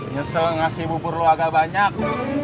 nyesel ngasih bubur lo agak banyak